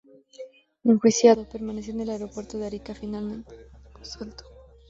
Enjuiciado, permaneció en el puerto de Arica, siendo finalmente absuelto.